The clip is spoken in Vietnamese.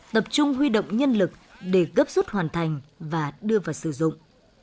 tập trung huy động nhân lực để gấp rút hoàn thành và đưa vào sử dụng